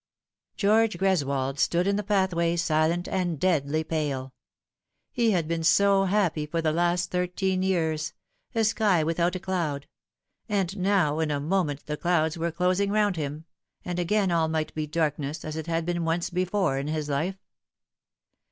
George Greswold stood in the pathway silent and deadly pale. He had been so happy for the last thirteen years a sky without a cloud and now in a moment the clouds were closing round him, and again all might be darkness, as it had been once before in his life.